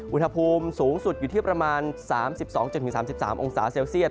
อุณหภูมิสูงสุดอยู่ที่ประมาณ๓๒๓๓องศาเซลเซียต